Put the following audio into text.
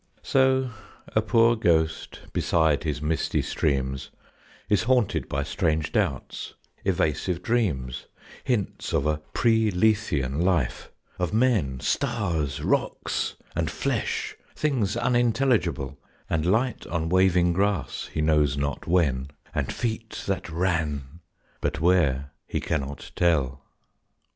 So a poor ghost, beside his misty streams, Is haunted by strange doubts, evasive dreams, Hints of a pre Lethean life, of men, Stars, rocks, and flesh, things unintelligible, And light on waving grass, he knows not when, And feet that ran, but where, he cannot tell.